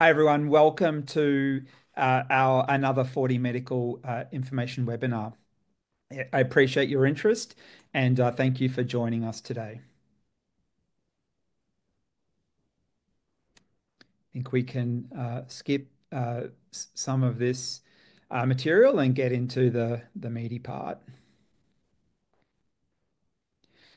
Hi everyone, welcome to our another 4DMedical information webinar. I appreciate your interest, and thank you for joining us today. I think we can skip some of this material and get into the meaty part.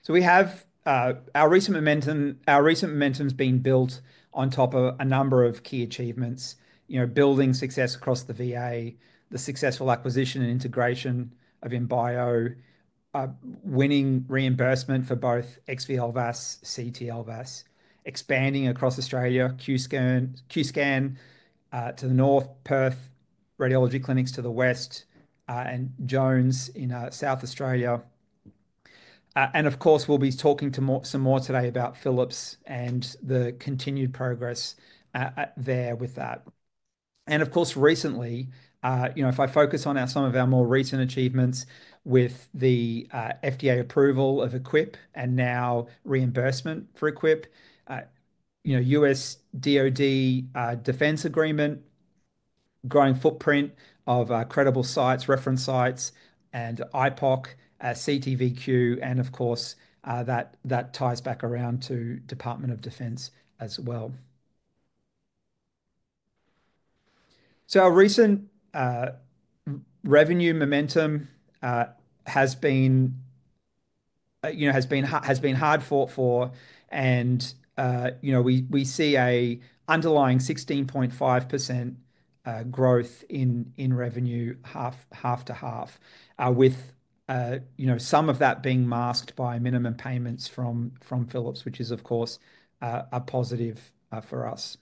We have our recent momentum; our recent momentum has been built on top of a number of key achievements, you know, building success across the VA, the successful acquisition and integration of Imbio, winning reimbursement for both XV LVAS, CT LVAS, expanding across Australia, Qscan to the North, Perth Radiology Clinics to the West, and Jones in South Australia. Of course, we'll be talking some more today about Philips and the continued progress there with that. Of course, recently, you know, if I focus on some of our more recent achievements with the FDA approval of IQ-UIP and now reimbursement for IQ-UIP, you know, U.S. DoD defense agreement, growing footprint of credible sites, reference sites, and IPOC, CT:VQ, and of course, that ties back around to Department of Defense as well. Our recent revenue momentum has been, you know, has been hard for, and you know, we see an underlying 16.5% growth in revenue, half to half, with, you know, some of that being masked by minimum payments from Philips, which is of course a positive for us.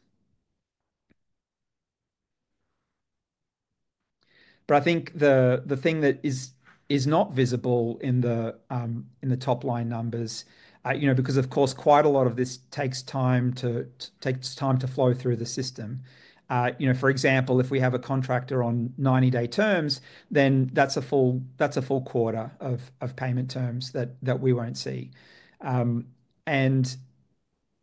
I think the thing that is not visible in the top line numbers, you know, because of course, quite a lot of this takes time to take time to flow through the system. You know, for example, if we have a contractor on 90-day terms, then that's a full quarter of payment terms that we won't see.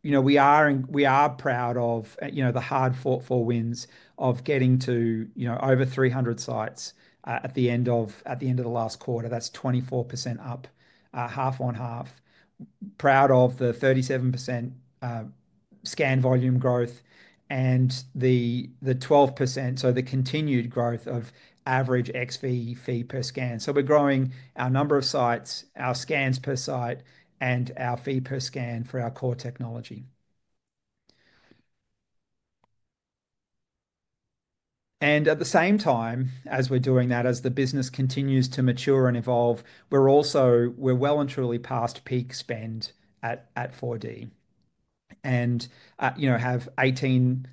You know, we are proud of, you know, the hard-fought wins of getting to, you know, over 300 sites at the end of the last quarter. That's 24% up, half on half. Proud of the 37% scan volume growth and the 12%, so the continued growth of average XV fee per scan. We are growing our number of sites, our scans per site, and our fee per scan for our core technology. At the same time as we're doing that, as the business continues to mature and evolve, we're also well and truly past peak spend at 4D and, you know, have operating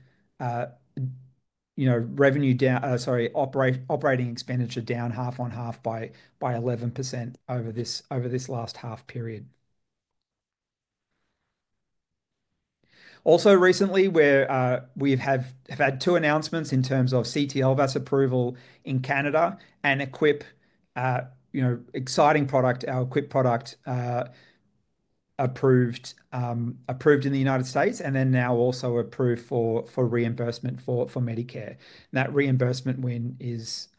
expenditure down half on half by 11% over this last half period. Also recently, we have had two announcements in terms of CT LVAS approval in Canada and IQ-UIP, you know, exciting product, our IQ-UIP product approved in the United States and then now also approved for reimbursement for Medicare. That reimbursement win is,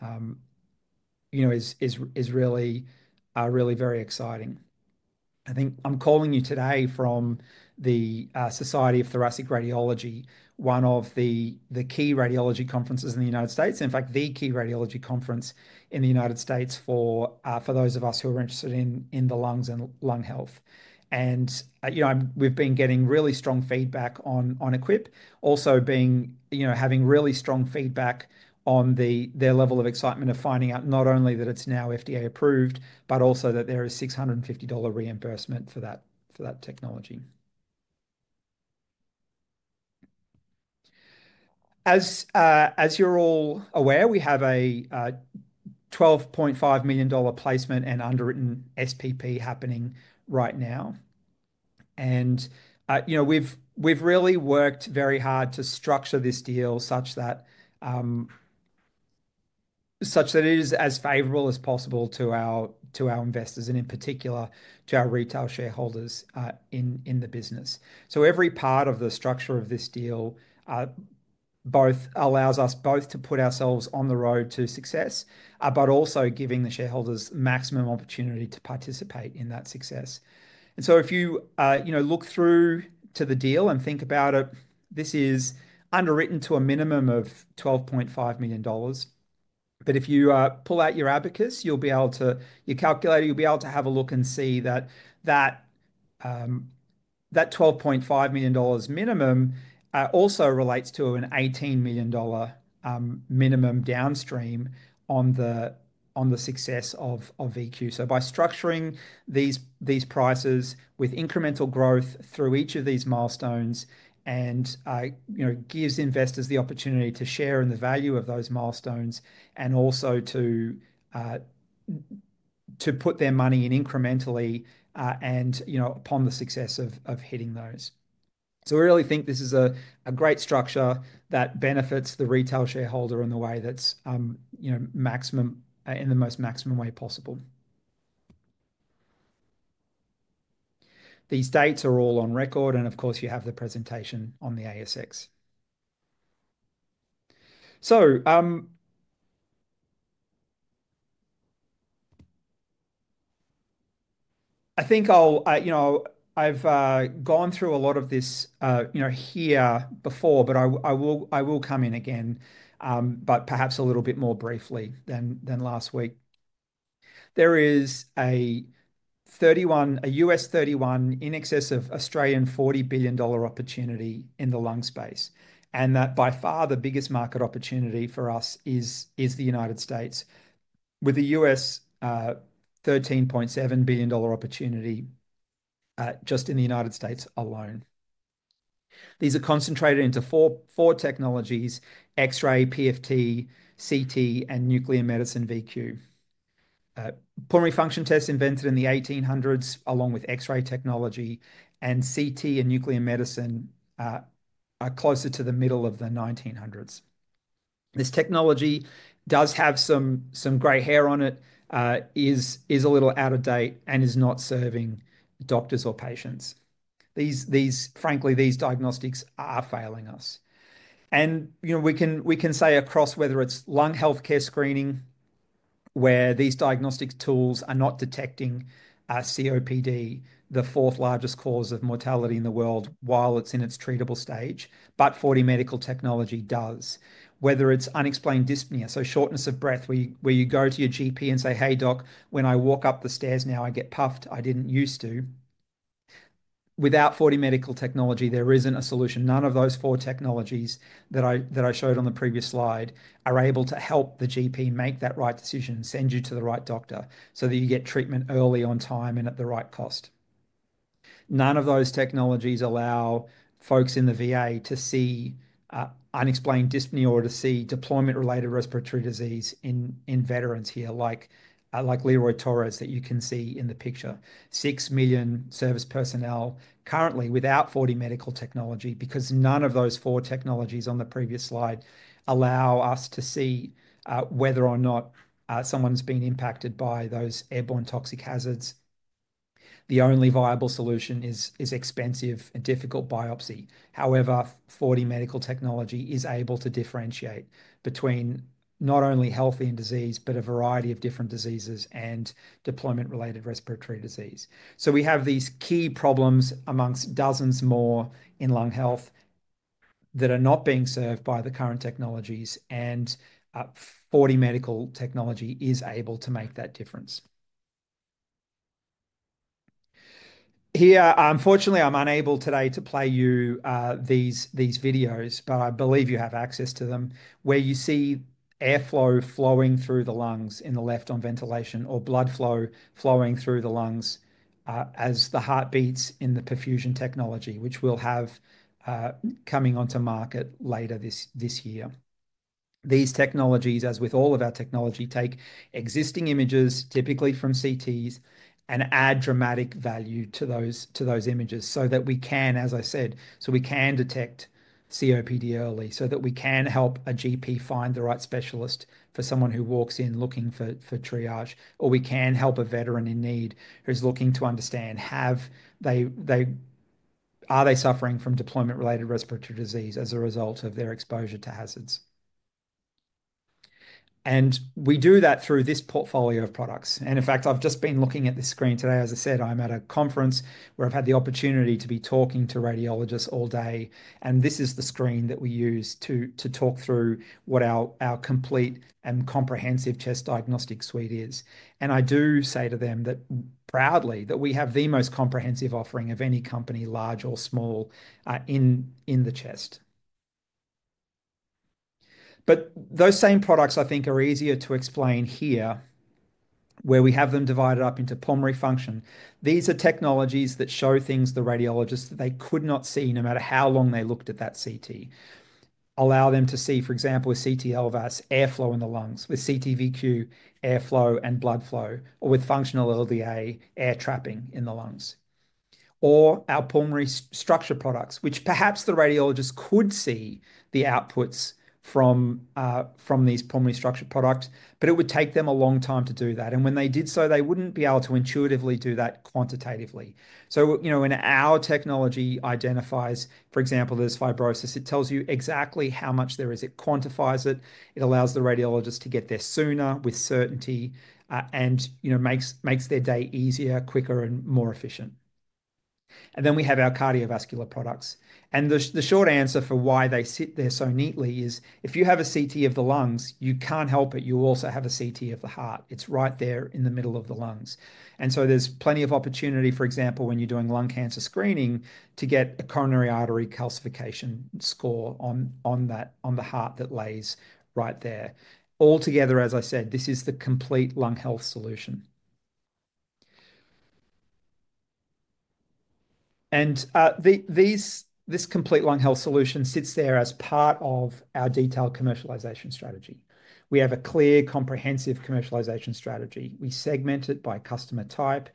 you know, is really very exciting. I think I'm calling you today from the Society of Thoracic Radiology, one of the key radiology conferences in the United States, in fact, the key radiology conference in the United States for those of us who are interested in the lungs and lung health. You know, we've been getting really strong feedback on IQ-UIP, also being, you know, having really strong feedback on their level of excitement of finding out not only that it's now FDA approved, but also that there is $650 reimbursement for that technology. As you're all aware, we have a $12.5 million placement and underwritten SPP happening right now. You know, we've really worked very hard to structure this deal such that it is as favorable as possible to our investors and in particular to our retail shareholders in the business. Every part of the structure of this deal both allows us both to put ourselves on the road to success, but also giving the shareholders maximum opportunity to participate in that success. If you, you know, look through to the deal and think about it, this is underwritten to a minimum of $12.5 million. If you pull out your abacus, you calculate, you'll be able to have a look and see that that $12.5 million minimum also relates to an $18 million minimum downstream on the success of VQ. By structuring these prices with incremental growth through each of these milestones, you know, it gives investors the opportunity to share in the value of those milestones and also to put their money in incrementally and, you know, upon the success of hitting those. We really think this is a great structure that benefits the retail shareholder in the way that's, you know, maximum in the most maximum way possible. These dates are all on record and of course you have the presentation on the ASX. I think I'll, you know, I've gone through a lot of this, you know, here before, but I will come in again, but perhaps a little bit more briefly than last week. There is a $31 billion in excess of 40 billion Australian dollars opportunity in the lung space and that by far the biggest market opportunity for us is the United States with a $13.7 billion opportunity just in the United States alone. These are concentrated into four technologies: X-ray, PFT, CT, and nuclear medicine VQ. Pulmonary function tests invented in the 1800s along with X-ray technology and CT and nuclear medicine are closer to the middle of the 1900s. This technology does have some gray hair on it, is a little out of date and is not serving doctors or patients. Frankly, these diagnostics are failing us. You know, we can say across whether it's lung healthcare screening where these diagnostic tools are not detecting COPD, the fourth largest cause of mortality in the world while it's in its treatable stage, but 4DMedical technology does. Whether it's unexplained dyspnea, so shortness of breath where you go to your GP and say, "Hey doc, when I walk up the stairs now I get puffed, I didn't used to." Without 4DMedical technology, there isn't a solution. None of those four technologies that I showed on the previous slide are able to help the GP make that right decision, send you to the right doctor so that you get treatment early on time and at the right cost. None of those technologies allow folks in the VA to see unexplained dyspnea or to see deployment-related respiratory disease in veterans here like Le Roy Torres that you can see in the picture. Six million service personnel currently without 4DMedical technology because none of those four technologies on the previous slide allow us to see whether or not someone's been impacted by those airborne toxic hazards. The only viable solution is expensive and difficult biopsy. However, 4DMedical technology is able to differentiate between not only health and disease, but a variety of different diseases and deployment-related respiratory disease. We have these key problems amongst dozens more in lung health that are not being served by the current technologies and 4DMedical technology is able to make that difference. Here, unfortunately, I am unable today to play you these videos, but I believe you have access to them where you see airflow flowing through the lungs in the left on ventilation or blood flow flowing through the lungs as the heart beats in the perfusion technology, which we will have coming onto market later this year. These technologies, as with all of our technology, take existing images typically from CTs and add dramatic value to those images so that we can, as I said, detect COPD early so that we can help a GP find the right specialist for someone who walks in looking for triage, or we can help a veteran in need who's looking to understand are they suffering from deployment-related respiratory disease as a result of their exposure to hazards. We do that through this portfolio of products. In fact, I've just been looking at this screen today. As I said, I'm at a conference where I've had the opportunity to be talking to radiologists all day. This is the screen that we use to talk through what our complete and comprehensive chest diagnostic suite is. I do say to them proudly that we have the most comprehensive offering of any company, large or small, in the chest. Those same products I think are easier to explain here where we have them divided up into pulmonary function. These are technologies that show things the radiologists that they could not see no matter how long they looked at that CT. Allow them to see, for example, with CT LVAS, airflow in the lungs, with CT:VQ, airflow and blood flow, or with Functional LDA, air trapping in the lungs. Our pulmonary structure products, which perhaps the radiologist could see the outputs from these pulmonary structure products, but it would take them a long time to do that. When they did so, they would not be able to intuitively do that quantitatively. You know, when our technology identifies, for example, there's fibrosis, it tells you exactly how much there is, it quantifies it, it allows the radiologist to get there sooner with certainty and, you know, makes their day easier, quicker, and more efficient. Then we have our cardiovascular products. The short answer for why they sit there so neatly is if you have a CT of the lungs, you can't help it, you also have a CT of the heart. It's right there in the middle of the lungs. There is plenty of opportunity, for example, when you're doing lung cancer screening to get a coronary artery calcification score on the heart that lays right there. Altogether, as I said, this is the complete lung health solution. This complete lung health solution sits there as part of our detailed commercialization strategy. We have a clear, comprehensive commercialization strategy. We segment it by customer type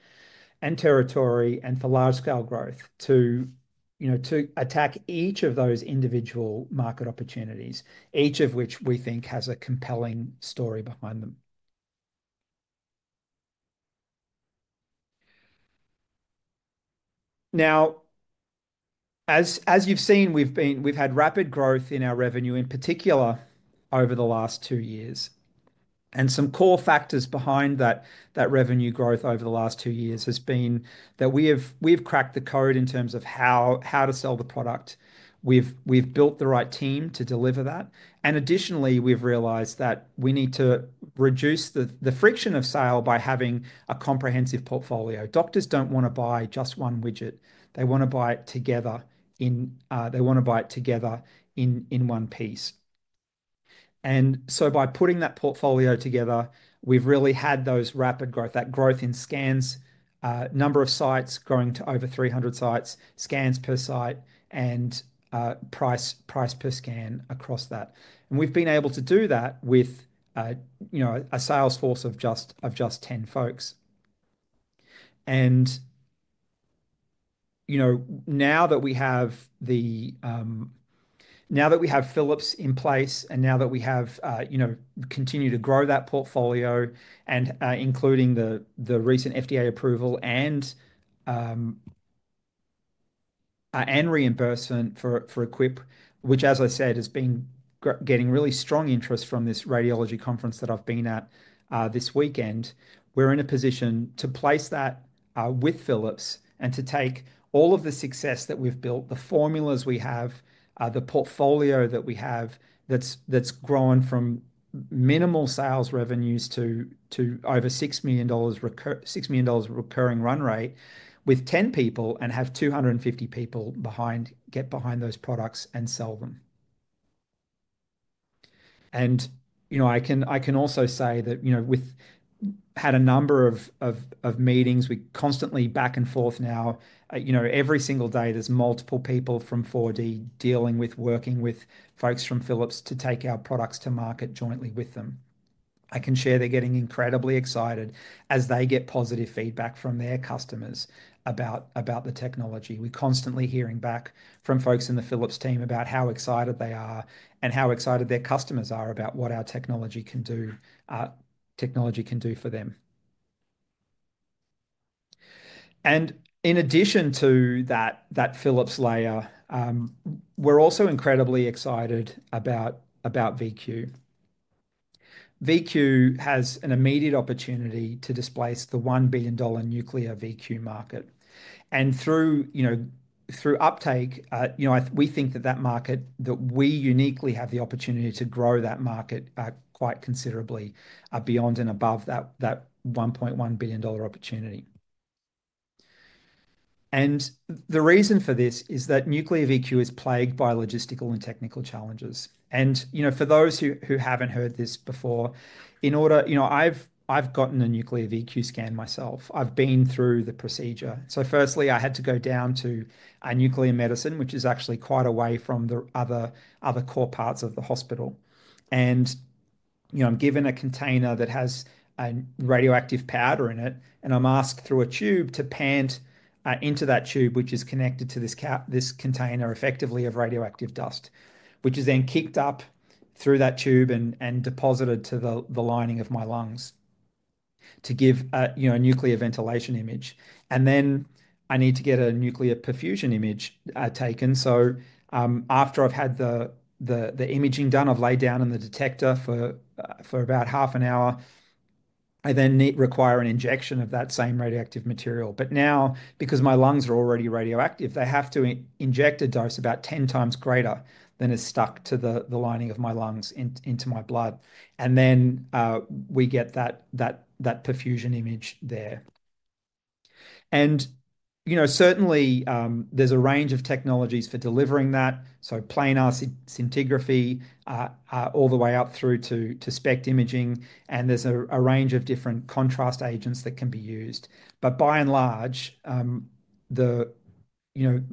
and territory and for large scale growth to, you know, to attack each of those individual market opportunities, each of which we think has a compelling story behind them. Now, as you've seen, we've had rapid growth in our revenue in particular over the last two years. Some core factors behind that revenue growth over the last two years has been that we have cracked the code in terms of how to sell the product. We've built the right team to deliver that. Additionally, we've realized that we need to reduce the friction of sale by having a comprehensive portfolio. Doctors don't want to buy just one widget. They want to buy it together. They want to buy it together in one piece. By putting that portfolio together, we've really had those rapid growth, that growth in scans, number of sites growing to over 300 sites, scans per site, and price per scan across that. We've been able to do that with, you know, a sales force of just 10 folks. You know, now that we have Philips in place and now that we continue to grow that portfolio, including the recent FDA approval and reimbursement for IQ-UIP, which, as I said, has been getting really strong interest from this radiology conference that I've been at this weekend, we're in a position to place that with Philips and to take all of the success that we've built, the formulas we have, the portfolio that we have that's grown from minimal sales revenues to over $6 million recurring run rate with 10 people and have 250 people get behind those products and sell them. You know, I can also say that we've had a number of meetings. We're constantly back and forth now. You know, every single day there's multiple people from 4D dealing with working with folks from Philips to take our products to market jointly with them. I can share they're getting incredibly excited as they get positive feedback from their customers about the technology. We're constantly hearing back from folks in the Philips team about how excited they are and how excited their customers are about what our technology can do, technology can do for them. In addition to that Philips layer, we're also incredibly excited about VQ. VQ has an immediate opportunity to displace the $1 billion nuclear VQ market. Through uptake, you know, we think that that market that we uniquely have the opportunity to grow that market quite considerably beyond and above that $1.1 billion opportunity. The reason for this is that nuclear VQ is plagued by logistical and technical challenges. You know, for those who haven't heard this before, in order, you know, I've gotten a nuclear VQ scan myself. I've been through the procedure. Firstly, I had to go down to nuclear medicine, which is actually quite away from the other core parts of the hospital. You know, I'm given a container that has a radioactive powder in it, and I'm asked through a tube to pant into that tube, which is connected to this container effectively of radioactive dust, which is then kicked up through that tube and deposited to the lining of my lungs to give, you know, a nuclear ventilation image. I need to get a nuclear perfusion image taken. After I've had the imaging done, I've laid down on the detector for about half an hour. I then require an injection of that same radioactive material. Now, because my lungs are already radioactive, they have to inject a dose about 10x greater than is stuck to the lining of my lungs into my blood. Then we get that perfusion image there. You know, certainly there is a range of technologies for delivering that, so planar scintigraphy all the way up through to SPECT imaging. There is a range of different contrast agents that can be used. By and large, you know,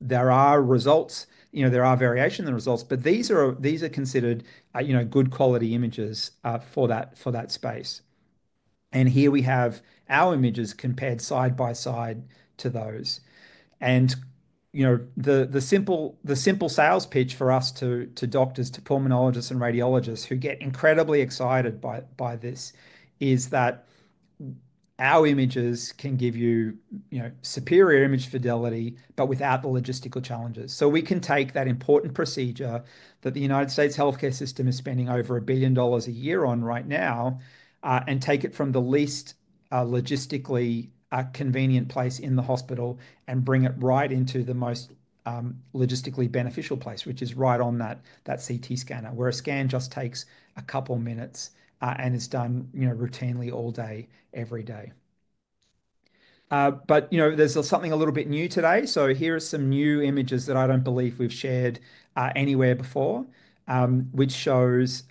there are results, you know, there is variation in the results, but these are considered, you know, good quality images for that space. Here we have our images compared side by side to those. You know, the simple sales pitch for us to doctors, to pulmonologists and radiologists who get incredibly excited by this is that our images can give you, you know, superior image fidelity, but without the logistical challenges. We can take that important procedure that the U.S. healthcare system is spending over $1 billion a year on right now and take it from the least logistically convenient place in the hospital and bring it right into the most logistically beneficial place, which is right on that CT scanner where a scan just takes a couple of minutes and is done, you know, routinely all day, every day. You know, there's something a little bit new today. Here are some new images that I don't believe we've shared anywhere before, which shows,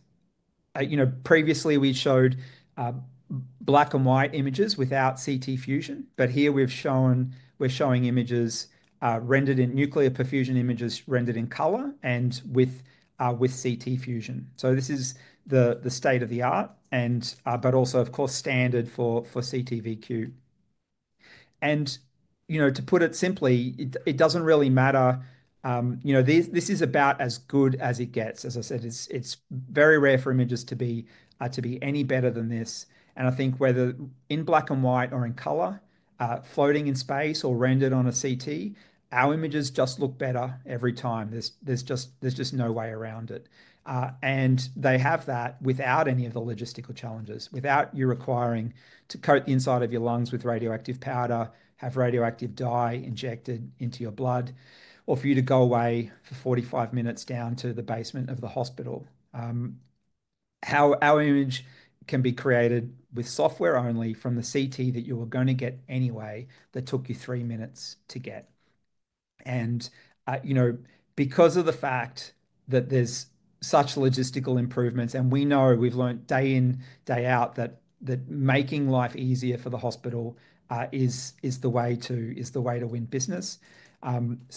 you know, previously we showed black and white images without CT fusion, but here we're showing images rendered in nuclear perfusion images rendered in color and with CT fusion. This is the state of the art, but also, of course, standard for CT:VQ. You know, to put it simply, it doesn't really matter. You know, this is about as good as it gets. As I said, it's very rare for images to be any better than this. I think whether in black and white or in color, floating in space or rendered on a CT, our images just look better every time. There's just no way around it. They have that without any of the logistical challenges, without you requiring to coat the inside of your lungs with radioactive powder, have radioactive dye injected into your blood, or for you to go away for 45 minutes down to the basement of the hospital. Our image can be created with software only from the CT that you were going to get anyway that took you three minutes to get. You know, because of the fact that there's such logistical improvements, and we know we've learned day in, day out that making life easier for the hospital is the way to win business.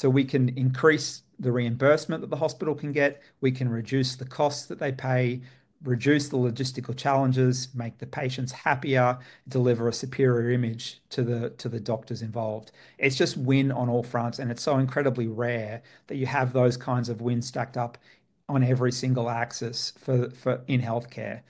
We can increase the reimbursement that the hospital can get. We can reduce the costs that they pay, reduce the logistical challenges, make the patients happier, deliver a superior image to the doctors involved. It's just win on all fronts. It is so incredibly rare that you have those kinds of wins stacked up on every single axis in healthcare.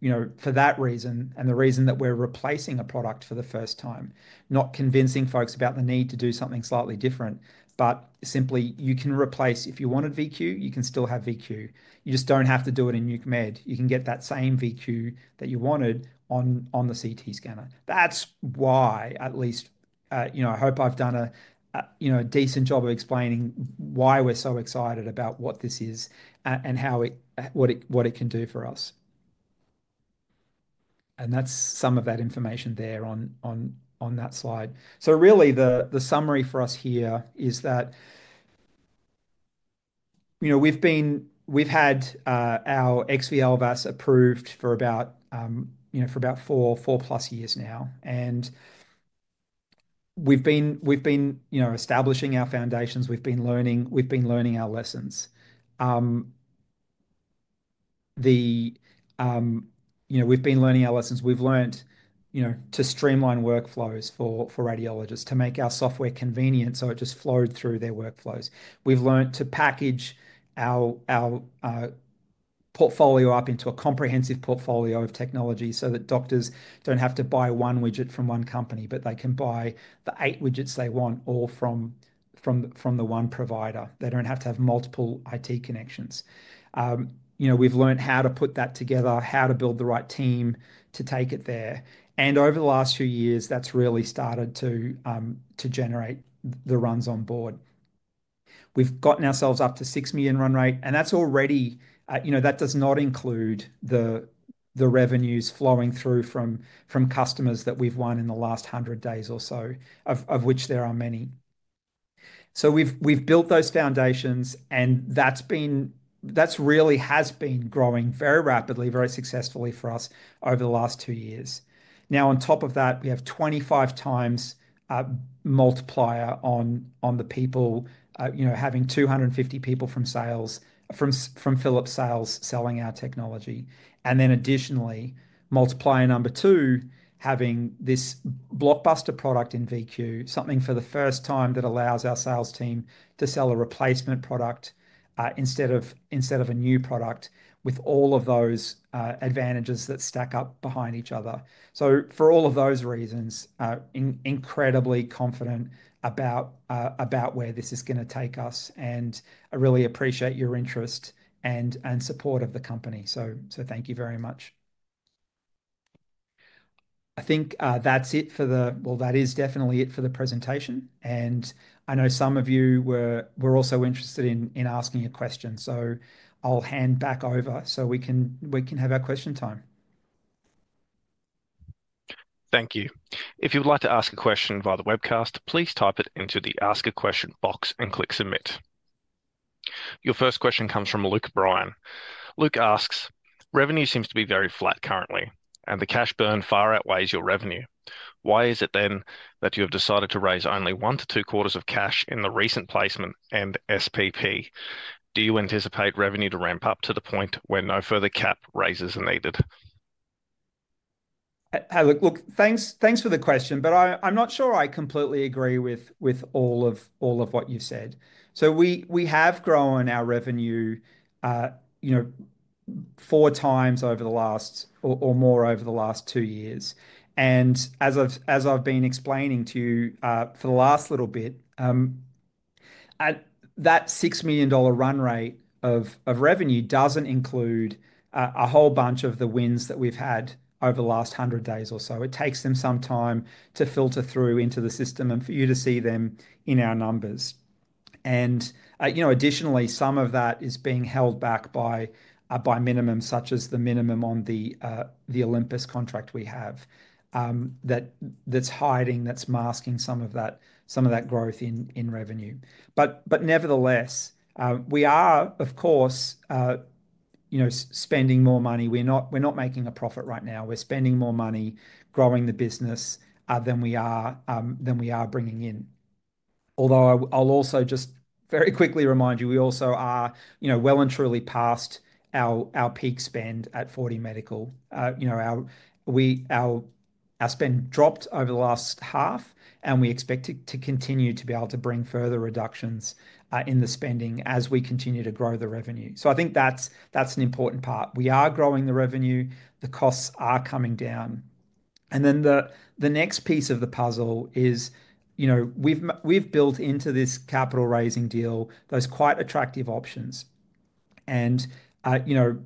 You know, for that reason, and the reason that we're replacing a product for the first time, not convincing folks about the need to do something slightly different, but simply you can replace, if you wanted VQ, you can still have VQ. You just do not have to do it in nuclear med. You can get that same VQ that you wanted on the CT scanner. That is why, at least, you know, I hope I have done a, you know, a decent job of explaining why we're so excited about what this is and what it can do for us. That is some of that information there on that slide. Really the summary for us here is that, you know, we've had our XV LVAS approved for about, you know, for about 4+ years now. We've been, you know, establishing our foundations. We've been learning our lessons. You know, we've been learning our lessons. We've learned, you know, to streamline workflows for radiologists, to make our software convenient so it just flowed through their workflows. We've learned to package our portfolio up into a comprehensive portfolio of technology so that doctors don't have to buy one widget from one company, but they can buy the eight widgets they want all from the one provider. They don't have to have multiple IT connections. You know, we've learned how to put that together, how to build the right team to take it there. Over the last few years, that's really started to generate the runs on board. We've gotten ourselves up to $6 million run rate. And that's already, you know, that does not include the revenues flowing through from customers that we've won in the last 100 days or so, of which there are many. So we've built those foundations, and that really has been growing very rapidly, very successfully for us over the last two years. Now, on top of that, we have 25 times multiplier on the people, you know, having 250 people from Philips sales selling our technology. And then additionally, multiplier number two, having this blockbuster product in VQ, something for the first time that allows our sales team to sell a replacement product instead of a new product with all of those advantages that stack up behind each other. For all of those reasons, incredibly confident about where this is going to take us and really appreciate your interest and support of the company. Thank you very much. I think that's it for the, that is definitely it for the presentation. I know some of you were also interested in asking a question. I'll hand back over so we can have our question time. Thank you. If you'd like to ask a question via the webcast, please type it into the Ask a Question box and click Submit. Your first question comes from Luke Bryan. Luke asks, "Revenue seems to be very flat currently, and the cash burn far outweighs your revenue. Why is it then that you have decided to raise only one to two quarters of cash in the recent placement and SPP? Do you anticipate revenue to ramp up to the point where no further cap raises are needed?" Look, thanks for the question, but I'm not sure I completely agree with all of what you've said. We have grown our revenue, you know, four times over the last or more over the last two years. As I've been explaining to you for the last little bit, that $6 million run rate of revenue does not include a whole bunch of the wins that we've had over the last 100 days or so. It takes them some time to filter through into the system and for you to see them in our numbers. You know, additionally, some of that is being held back by minimums, such as the minimum on the Olympus contract we have that is hiding, that is masking some of that growth in revenue. Nevertheless, we are, of course, you know, spending more money. We're not making a profit right now. We're spending more money growing the business than we are bringing in. Although I'll also just very quickly remind you, we also are, you know, well and truly past our peak spend at 4DMedical. You know, our spend dropped over the last half, and we expect to continue to be able to bring further reductions in the spending as we continue to grow the revenue. I think that's an important part. We are growing the revenue. The costs are coming down. The next piece of the puzzle is, you know, we've built into this capital raising deal those quite attractive options. You know,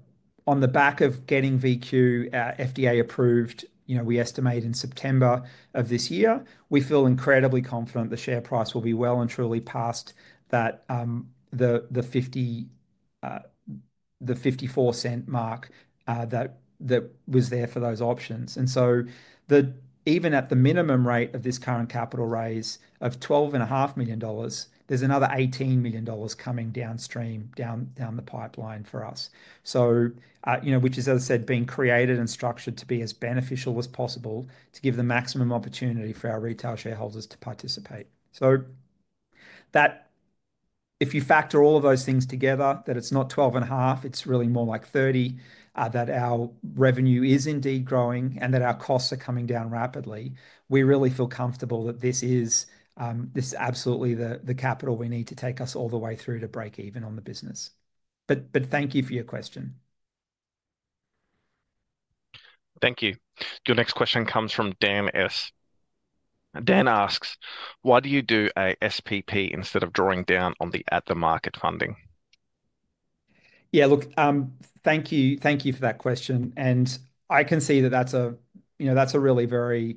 on the back of getting VQ FDA approved, you know, we estimate in September of this year, we feel incredibly confident the share price will be well and truly past that $0.54 mark that was there for those options. Even at the minimum rate of this current capital raise of 12.5 million dollars, there is another 18 million dollars coming downstream, down the pipeline for us. You know, which is, as I said, being created and structured to be as beneficial as possible to give the maximum opportunity for our retail shareholders to participate. If you factor all of those things together, that it's not 12.5, it's really more like 30, that our revenue is indeed growing and that our costs are coming down rapidly, we really feel comfortable that this is absolutely the capital we need to take us all the way through to break even on the business. Thank you for your question. Thank you. Your next question comes from Dan S. Dan asks, "Why do you do a SPP instead of drawing down on the at-the-market funding?" Yeah, look, thank you for that question. I can see that that's a, you know, that's a really very,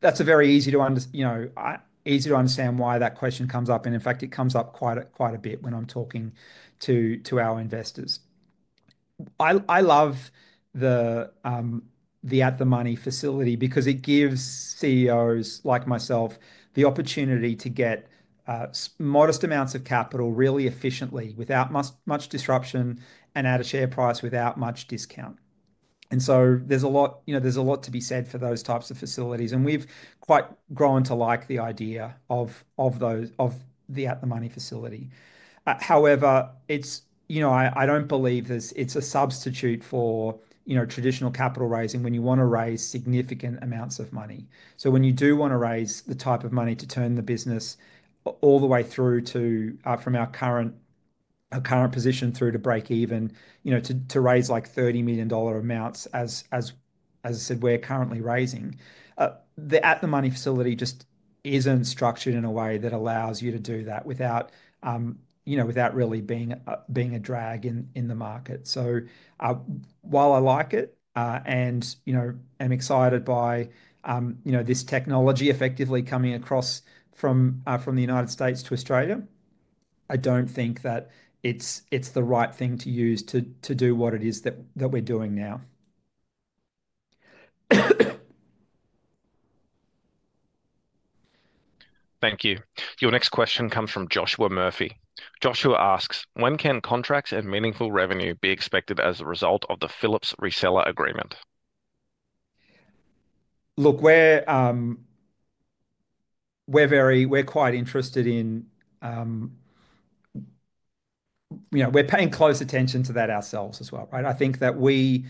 that's a very easy to, you know, easy to understand why that question comes up. In fact, it comes up quite a bit when I'm talking to our investors. I love the at-the-money facility because it gives CEOs like myself the opportunity to get modest amounts of capital really efficiently without much disruption and at a share price without much discount. There is a lot, you know, there is a lot to be said for those types of facilities. We have quite grown to like the idea of the at-the-money facility. However, it is, you know, I do not believe it is a substitute for, you know, traditional capital raising when you want to raise significant amounts of money. When you do want to raise the type of money to turn the business all the way through to from our current position through to break even, you know, to raise like $30 million amounts, as I said, we are currently raising. The at-the-money facility just isn't structured in a way that allows you to do that without, you know, without really being a drag in the market. So while I like it and, you know, am excited by, you know, this technology effectively coming across from the United States to Australia, I don't think that it's the right thing to use to do what it is that we're doing now. Thank you. Your next question comes from Joshua Murphy. Joshua asks, "When can contracts and meaningful revenue be expected as a result of the Philips reseller agreement?" Look, we're quite interested in, you know, we're paying close attention to that ourselves as well, right? I think that we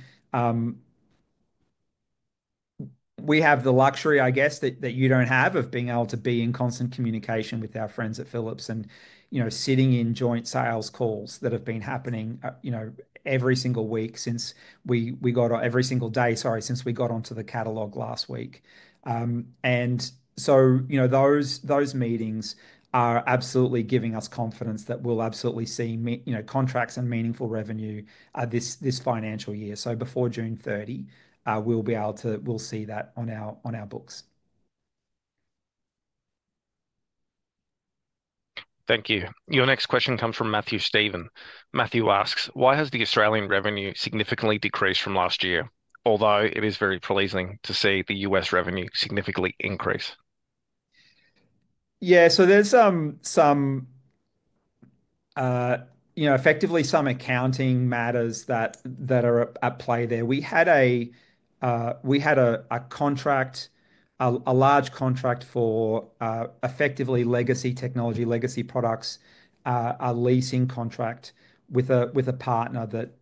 have the luxury, I guess, that you don't have of being able to be in constant communication with our friends at Philips and, you know, sitting in joint sales calls that have been happening, you know, every single week since we got on, every single day, sorry, since we got onto the catalog last week. You know, those meetings are absolutely giving us confidence that we'll absolutely see, you know, contracts and meaningful revenue this financial year. Before June 30, we'll be able to, we'll see that on our books. Thank you. Your next question comes from Matthew Stephen. Matthew asks, "Why has the Australian revenue significantly decreased from last year, although it is very pleasing to see the US revenue significantly increase?" Yeah, so there's some, you know, effectively some accounting matters that are at play there. We had a contract, a large contract for effectively legacy technology, legacy products, a leasing contract with a partner that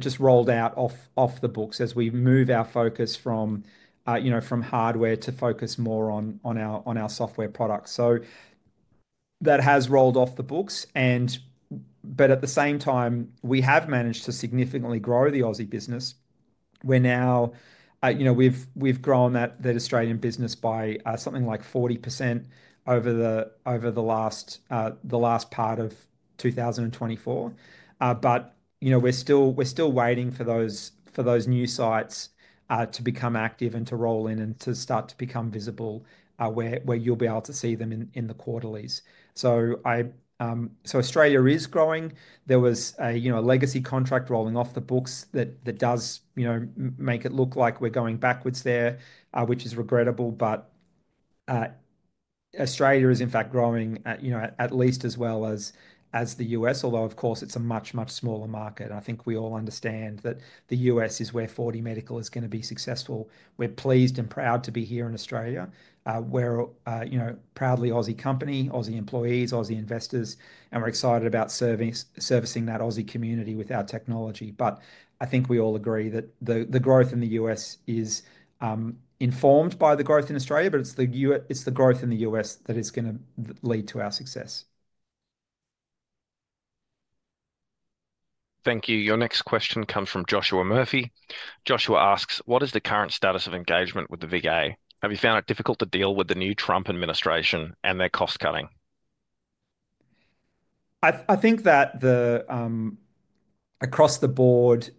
just rolled off the books as we move our focus from, you know, from hardware to focus more on our software products. That has rolled off the books. At the same time, we have managed to significantly grow the Aussie business. We're now, you know, we've grown that Australian business by something like 40% over the last part of 2024. You know, we're still waiting for those new sites to become active and to roll in and to start to become visible where you'll be able to see them in the quarterlies. Australia is growing. There was a legacy contract rolling off the books that does, you know, make it look like we're going backwards there, which is regrettable. Australia is, in fact, growing, you know, at least as well as the U.S., although, of course, it's a much, much smaller market. I think we all understand that the U.S. is where 4DMedical is going to be successful. We're pleased and proud to be here in Australia. We're, you know, proudly Aussie company, Aussie employees, Aussie investors, and we're excited about servicing that Aussie community with our technology. I think we all agree that the growth in the U.S. is informed by the growth in Australia, but it's the growth in the U.S. that is going to lead to our success. Thank you. Your next question comes from Joshua Murphy. Joshua asks, "What is the current status of engagement with the VA? Have you found it difficult to deal with the new Trump administration and their cost cutting?" I think that across the board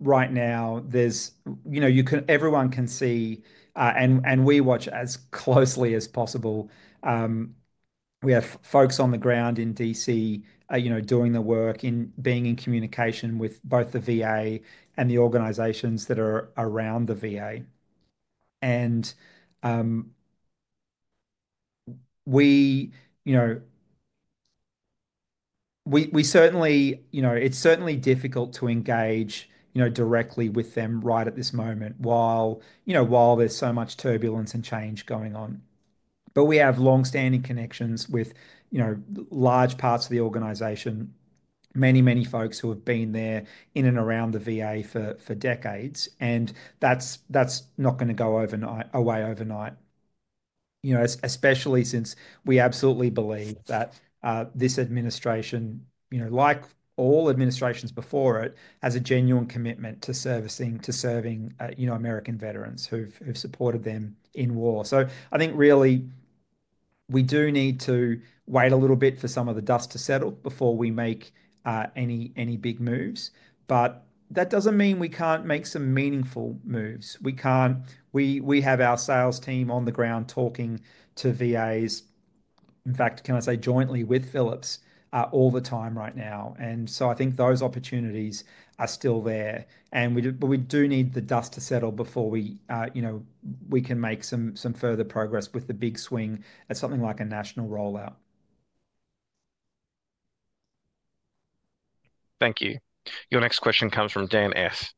right now, there's, you know, everyone can see, and we watch as closely as possible. We have folks on the ground in DC, you know, doing the work in being in communication with both the VA and the organizations that are around the VA. We certainly, you know, it's certainly difficult to engage, you know, directly with them right at this moment while, you know, while there's so much turbulence and change going on. We have long-standing connections with, you know, large parts of the organization, many, many folks who have been there in and around the VA for decades. That's not going to go away overnight, you know, especially since we absolutely believe that this administration, you know, like all administrations before it, has a genuine commitment to serving, you know, American veterans who've supported them in war. I think really we do need to wait a little bit for some of the dust to settle before we make any big moves. That doesn't mean we can't make some meaningful moves. We have our sales team on the ground talking to VAs, in fact, can I say, jointly with Philips all the time right now. I think those opportunities are still there. We do need the dust to settle before we, you know, we can make some further progress with the big swing at something like a national rollout. Thank you. Your next question comes from Dan S.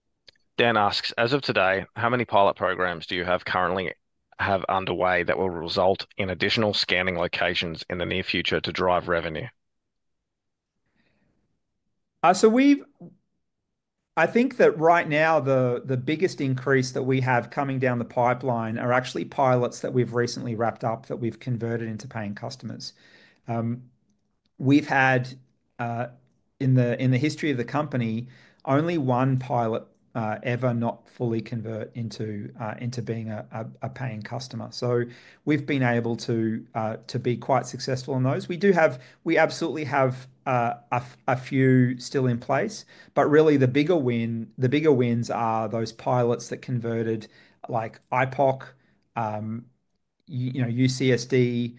Dan asks, "As of today, how many pilot programs do you currently have underway that will result in additional scanning locations in the near future to drive revenue?" I think that right now the biggest increase that we have coming down the pipeline are actually pilots that we've recently wrapped up that we've converted into paying customers. We've had in the history of the company, only one pilot ever not fully convert into being a paying customer. We've been able to be quite successful in those. We absolutely have a few still in place. Really the bigger wins are those pilots that converted like IPOC, you know, UCSD,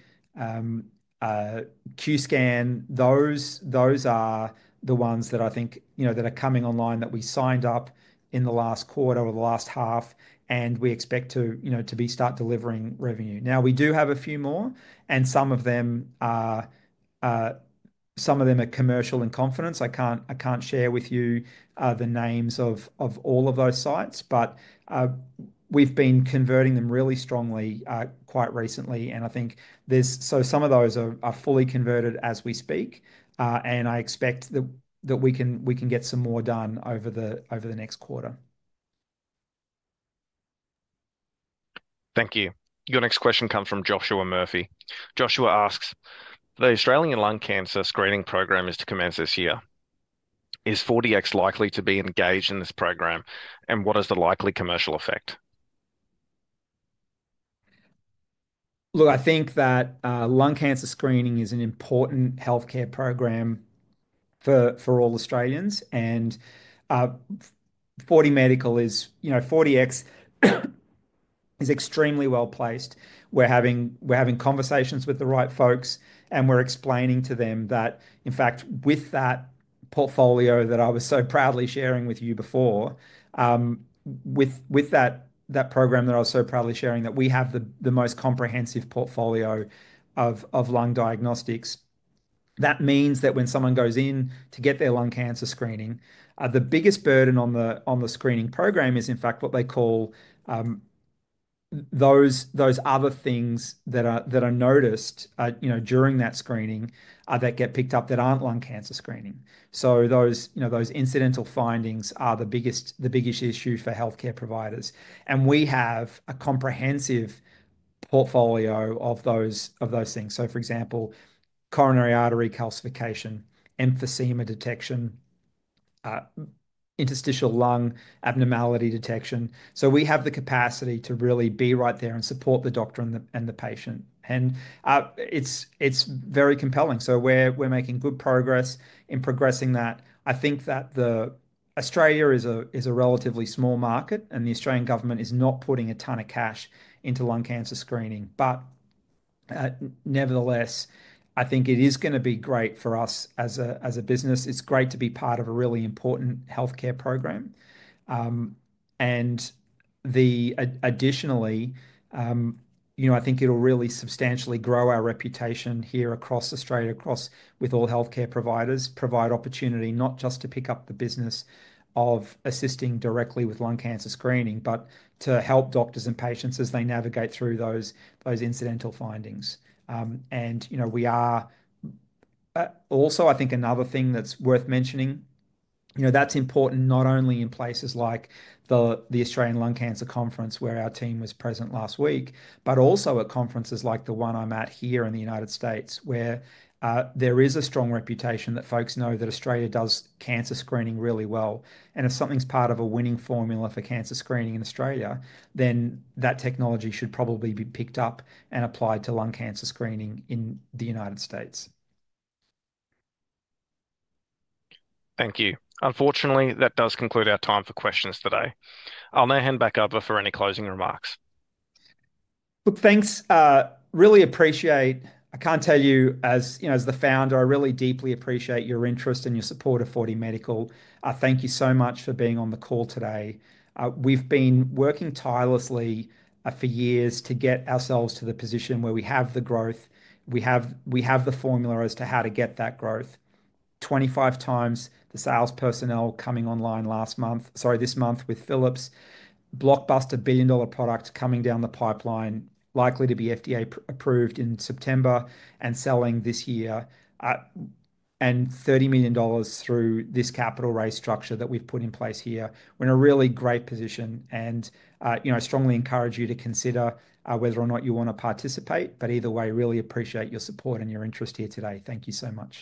Qscan. Those are the ones that I think, you know, that are coming online that we signed up in the last quarter or the last half, and we expect to, you know, to be start delivering revenue. Now we do have a few more, and some of them, some of them are commercial in confidence. I can't share with you the names of all of those sites, but we've been converting them really strongly quite recently. I think there's, so some of those are fully converted as we speak. I expect that we can get some more done over the next quarter. Thank you. Your next question comes from Joshua Murphy. Joshua asks, "The Australian lung cancer screening program is to commence this year. Is 4DX likely to be engaged in this program? What is the likely commercial effect?" Look, I think that lung cancer screening is an important healthcare program for all Australians. 4DMedical is, you know, 4DX is extremely well placed. We're having conversations with the right folks, and we're explaining to them that, in fact, with that portfolio that I was so proudly sharing with you before, with that program that I was so proudly sharing, that we have the most comprehensive portfolio of lung diagnostics. That means that when someone goes in to get their lung cancer screening, the biggest burden on the screening program is, in fact, what they call those other things that are noticed, you know, during that screening that get picked up that aren't lung cancer screening. Those, you know, those incidental findings are the biggest issue for healthcare providers. We have a comprehensive portfolio of those things. For example, coronary artery calcification, emphysema detection, interstitial lung abnormality detection. We have the capacity to really be right there and support the doctor and the patient. It is very compelling. We are making good progress in progressing that. I think that Australia is a relatively small market, and the Australian government is not putting a ton of cash into lung cancer screening. Nevertheless, I think it is going to be great for us as a business. It is great to be part of a really important healthcare program. Additionally, you know, I think it will really substantially grow our reputation here across Australia, across with all healthcare providers, provide opportunity not just to pick up the business of assisting directly with lung cancer screening, but to help doctors and patients as they navigate through those incidental findings. You know, we are also, I think, another thing that's worth mentioning, you know, that's important not only in places like the Australian Lung Cancer Conference where our team was present last week, but also at conferences like the one I'm at here in the United States where there is a strong reputation that folks know that Australia does cancer screening really well. If something's part of a winning formula for cancer screening in Australia, then that technology should probably be picked up and applied to lung cancer screening in the United States. Thank you. Unfortunately, that does conclude our time for questions today. I'll now hand back over for any closing remarks. Look, thanks. Really appreciate, I can't tell you, as you know, as the founder, I really deeply appreciate your interest and your support of 4DMedical. Thank you so much for being on the call today. We've been working tirelessly for years to get ourselves to the position where we have the growth. We have the formula as to how to get that growth. Twenty-five times the sales personnel coming online last month, sorry, this month with Philips. Blockbuster billion-dollar product coming down the pipeline, likely to be FDA approved in September and selling this year. And $30 million through this capital raise structure that we've put in place here. We're in a really great position. You know, I strongly encourage you to consider whether or not you want to participate, but either way, really appreciate your support and your interest here today. Thank you so much.